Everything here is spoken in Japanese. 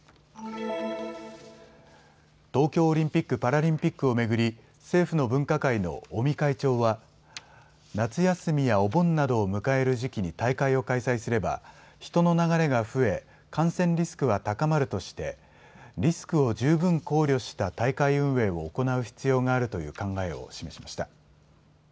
東京オリンピック・パラリンピックを巡り政府の分科会の尾身会長は夏休みやお盆などを迎える時期に大会を開催すれば人の流れが増え感染リスクは高まるとしてリスクを十分考慮した大会運営を行う必要があるという考えを示しました。